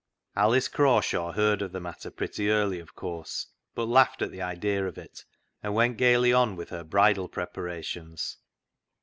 Alice Crawshaw heard of the matter pretty early, of course, but laughed at the idea of it, and went gaily on with her bridal pre parations.